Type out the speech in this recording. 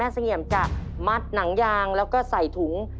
แม่เซ็งยำจะมัดหนังยางแล้วก็ใส่ถุง